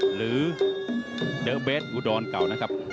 หรือเดอร์เบสอุดรเก่านะครับ